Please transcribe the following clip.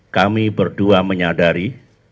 kami berdua menyadari